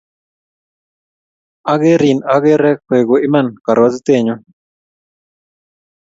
Akerin akere koeku iman karwotitennyu.